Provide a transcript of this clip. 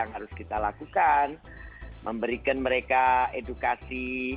yang harus kita lakukan memberikan mereka edukasi